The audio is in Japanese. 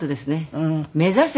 目指せ